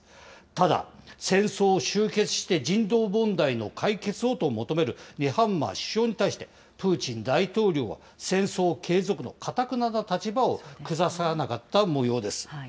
ただ、戦争を終結して人道問題の解決をと求めるネハンマー首相に対して、プーチン大統領は戦争継続のかたくなな立場を崩さなかったもようです。